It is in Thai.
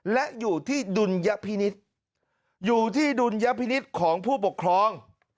และอยู่ที่ดุลยพินิษฐ์อยู่ที่ดุลยพินิษฐ์ของผู้ปกครอง